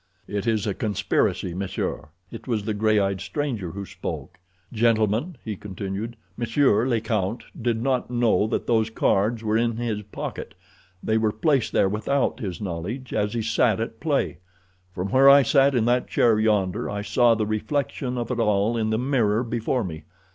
"It is a conspiracy, monsieur." It was the gray eyed stranger who spoke. "Gentlemen," he continued, "monsieur le count did not know that those cards were in his pocket. They were placed there without his knowledge as he sat at play. From where I sat in that chair yonder I saw the reflection of it all in the mirror before me.